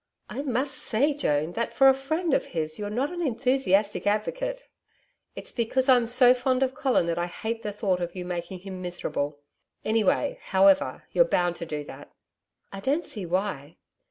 'I must say, Joan, that for a friend of his you're not an enthusiastic advocate.' 'It's because I'm so fond of Colin that I hate the thought of your making him miserable. Anyway, however, you're bound to do that.' 'I don't see why.'